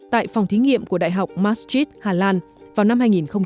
tại phòng thí nghiệm của đại học maastricht hà lan vào năm hai nghìn một mươi ba